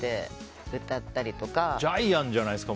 ジャイアンじゃないですか。